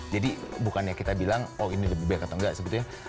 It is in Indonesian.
jadi bukannya kita bilang oh ini lebih baik atau enggak sebetulnya